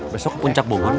besok puncak bonggolnya